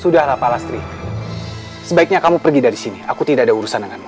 sudahlah pak lastri sebaiknya kamu pergi dari sini aku tidak ada urusan dengan kamu